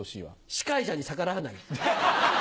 「司会者に逆らわない」。